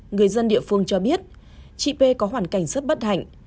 người dân địa phương cho biết chị p có hoàn cảnh rất bất hạnh